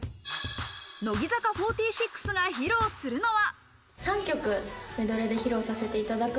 乃木坂４６が披露するのは。